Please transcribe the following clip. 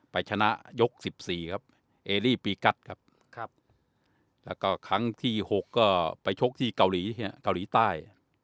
ไปชนะยกสิบสี่ครับเอรี่ปีกัทครับครับแล้วก็ครั้งที่หกก็ไปชกที่เกาหลีเฮียเกาหลีใต้